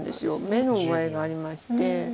眼の具合がありまして。